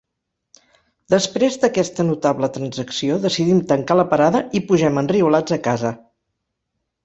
Després d'aquesta notable transacció decidim tancar la parada i pugem enriolats a casa.